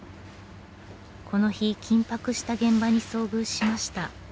この日緊迫した現場に遭遇しました。